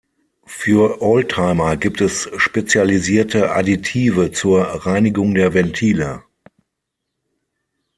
Für Oldtimer gibt es spezialisierte Additive zur Reinigung der Ventile.